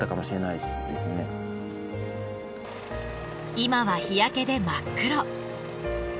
今は日焼けで真っ黒。